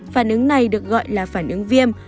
phản ứng này được gọi là phản ứng viêm